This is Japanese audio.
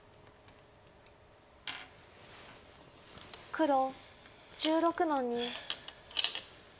黒１６の二。